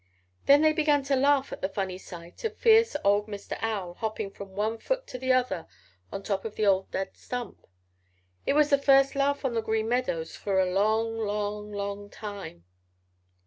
Then they began to laugh at the funny sight of fierce old Mr. Owl hopping from one foot to the other on top of the old dead stump. It was the first laugh on the Green Meadows for a long, long, long time.